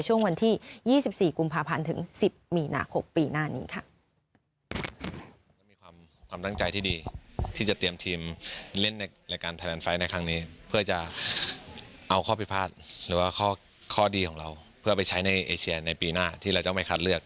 ช่วงวันที่๒๔กุมภาพันธ์ถึง๑๐มีนาคมปีหน้านี้ค่ะ